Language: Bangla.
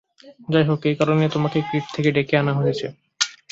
যাই হোক, এই কারণেই তোমাকে ক্রিট থেকে ডেকে আনা হয়েছে।